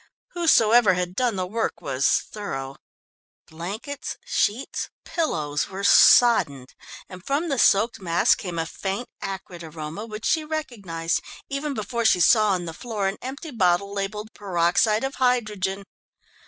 Whosoever had done the work was thorough. Blankets, sheets, pillows were soddened, and from the soaked mass came a faint acrid aroma which she recognised, even before she saw on the floor an empty bottle labelled "Peroxide of Hydrogen."